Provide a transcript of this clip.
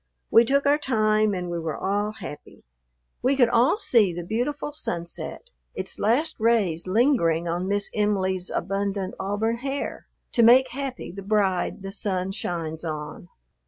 We took our time, and we were all happy. We could all see the beautiful sunset, its last rays lingering on Miss Em'ly's abundant auburn hair to make happy the bride the sun shines on.